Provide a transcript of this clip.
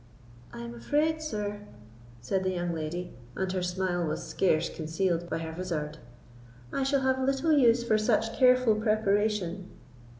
"I am afraid, sir," said the young lady, and her smile was scarce concealed by her vizard, "I shall have little use for such careful preparation."